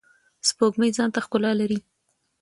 سپوږمۍ ځانته ښکلا لری.